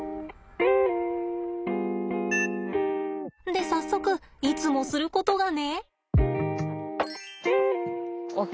で早速いつもすることがね。